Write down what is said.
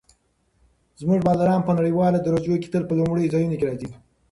زموږ بالران په نړیوالو درجو کې تل په لومړیو ځایونو کې راځي.